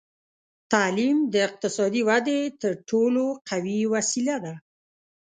تعلیم د اقتصادي ودې تر ټولو قوي وسیله ده.